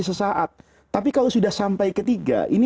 sesaat tapi kalau sudah sampai ketiga ini